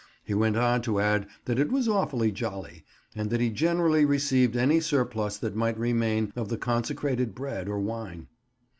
He went on to add that it was awfully jolly, and that he generally received any surplus that might remain of the consecrated bread or wine.